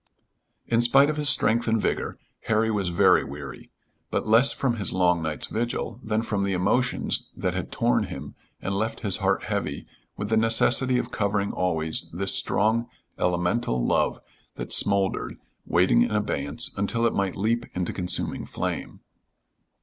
In spite of his strength and vigor, Harry was very weary. But less from his long night's vigil than from the emotions that had torn him and left his heart heavy with the necessity of covering always this strong, elemental love that smoldered, waiting in abeyance until it might leap into consuming flame.